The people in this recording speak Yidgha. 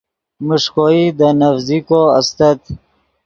میݰکوئی دے نڤزیکو استت